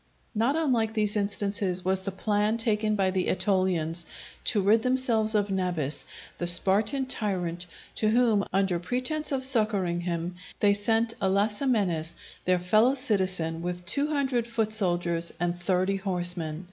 Not unlike these instances was the plan taken by the Etolians to rid themselves of Nabis, the Spartan tyrant, to whom, under pretence of succouring him, they sent Alasamenes, their fellow citizen, with two hundred foot soldiers and thirty horsemen.